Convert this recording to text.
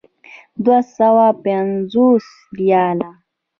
دوه سوه پنځوس ریاله.